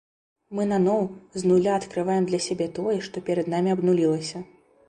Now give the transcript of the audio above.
Мы наноў, з нуля адкрываем для сябе тое, што перад намі абнулілася.